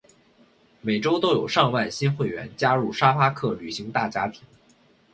每周都有上万新会员加入沙发客旅行大家庭。